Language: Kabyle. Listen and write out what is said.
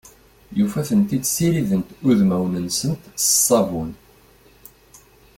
Yufa-tent-id ssirident udmawen-nsent s ssabun.